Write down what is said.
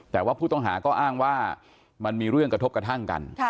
แต่ว่าผู้ต้องหาก็อ้างว่ามันมีเรื่องกระทบกระทั่งกัน